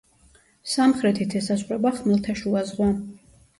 სამხრეთით ესაზღვრება ხმელთაშუა ზღვა.